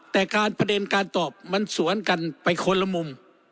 แต่การประเด็นการตอบมันสวนกันไปคนละมุม